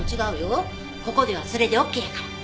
ここではそれでオッケーやから。